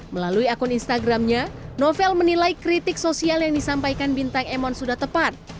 melalui akun instagramnya novel menilai kritik sosial yang disampaikan bintang emon sudah tepat